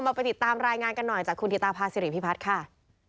ไปติดตามรายงานกันหน่อยจากคุณธิตาภาษิริพิพัฒน์ค่ะ